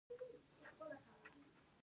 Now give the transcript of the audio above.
آیا په کابل کې میټرو جوړیږي؟